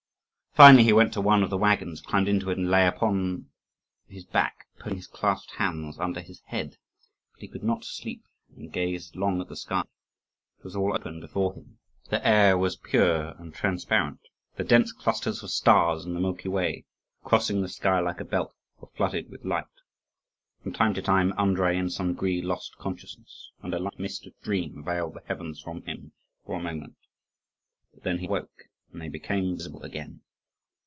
Finally he went to one of the waggons, climbed into it, and lay down upon his back, putting his clasped hands under his head; but he could not sleep, and gazed long at the sky. It was all open before him; the air was pure and transparent; the dense clusters of stars in the Milky Way, crossing the sky like a belt, were flooded with light. From time to time Andrii in some degree lost consciousness, and a light mist of dream veiled the heavens from him for a moment; but then he awoke, and they became visible again.